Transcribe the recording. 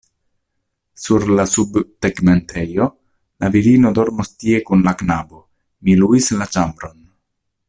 Sur la subtegmentejo? La virino dormos tie kun la knabo; mi luis la ĉambron.